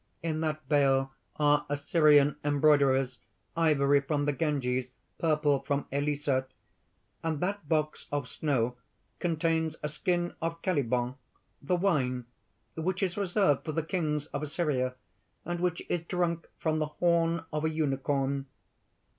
In that bale are Assyrian embroideries, ivory from the Ganges, purple from Elissa; and that box of snow contains a skin of chalybon, the wine, which is reserved for the Kings of Assyria, and which is drunk from the horn of a unicorn.